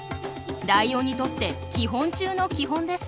ライオンにとって基本中の基本です。